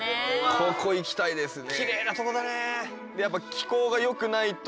ここ行きたいですね。